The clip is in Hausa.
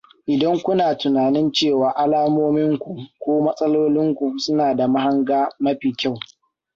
idan kuna tunanin cewa alamominku ko matsalolinku suna da mahanga mafi kyau